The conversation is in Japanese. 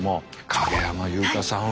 影山優佳さんは。